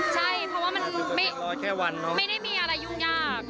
ใช่เพราะว่ามันไม่ได้มีอะไรยุ่งยาก